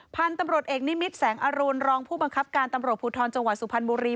พันธุ์ตำรวจเอกนิมิตแสงอรุณรองผู้บังคับการตำรวจภูทรจังหวัดสุพรรณบุรี